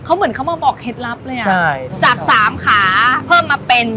เขาเหมือนเขามาบอกเคล็ดลับเลยอ่ะใช่จากสามขาเพิ่มมาเป็น